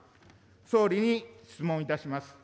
総理に質問いたします。